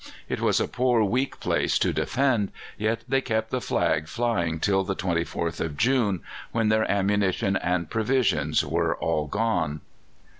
It was a poor, weak place to defend, yet they kept the flag flying till the 24th of June, when their ammunition and provisions were all gone.